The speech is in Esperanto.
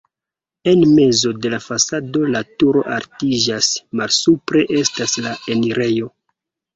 En mezo de la fasado la turo altiĝas, malsupre estas la enirejo.